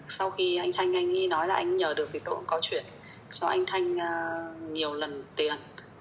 sau khi anh thanh anh ấy nói là anh nhờ được việc đội có chuyện cho anh thanh nhiều lần tiền